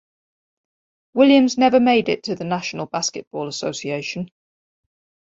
Williams never made it to the National Basketball Association.